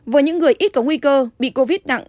với những người ít có nguy cơ bị covid